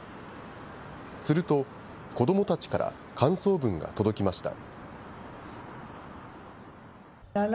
すると、子どもたちから感想文が届きました。